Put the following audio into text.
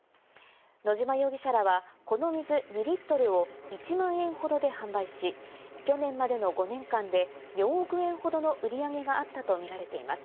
野島容疑者らはこの水２リットルを１万円ほどで販売し、去年までの５年間で４億円ほどの売り上げがあったとみられています。